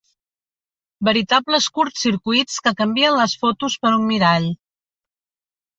Veritables curtcircuits que canvien les fotos per un mirall.